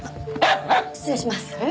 失礼します。